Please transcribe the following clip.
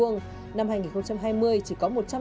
năm hai nghìn hai mươi chỉ có một trăm sáu mươi ba căn hộ